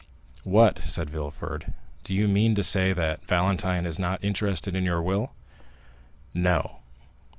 "What?" said Villefort, "do you mean to say that Valentine is not interested in your will?" "No."